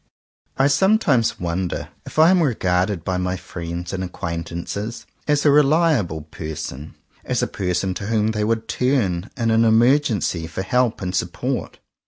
I sometimes wonder if I am regarded by my friends and acquaintances as a reliable person — as a person to whom they would turn, in an emergency, for help and support.